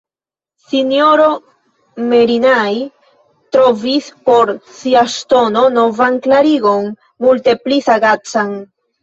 S-ro Merinai trovis por sia ŝtono novan klarigon, multe pli sagacan.